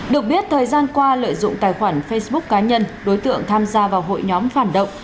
được biết thời gian qua lợi dụng tài khoản facebook cá nhân đối tượng tham gia vào hội nhóm phản động